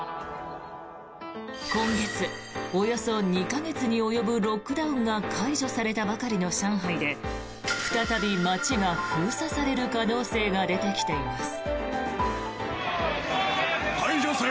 今月、およそ２か月に及ぶロックダウンが解除されたばかりの上海で再び街が封鎖される可能性が出てきています。